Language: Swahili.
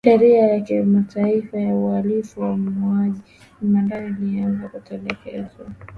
sheria ya kimataifa ya uhalifu wa mauaji ya kimbari ilianza kutekelezwa